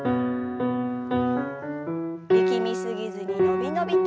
力み過ぎずに伸び伸びと。